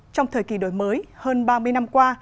trong thời kỳ đổi mới hơn ba mươi năm qua